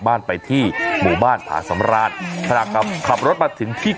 บ้านไปที่หมู่บ้านผาสำราญขณะกลับขับรถมาถึงที่